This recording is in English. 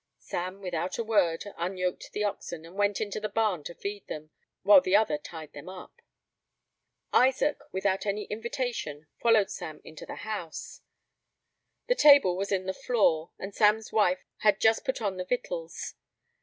Sam, without a word, unyoked the oxen, and went into the barn to feed them, while the other tied them up. Isaac, without any invitation, followed Sam into the house. The table was in the floor, and Sam's wife had just put on the victuals.